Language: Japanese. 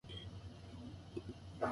お